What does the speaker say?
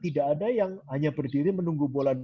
tidak ada yang hanya berdiri menunggu bulan